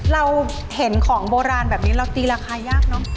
เราเห็นของโบราณแบบนี้เราตีราคายากเนอะ